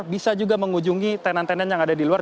bisa juga mengunjungi tenan tenan yang ada di luar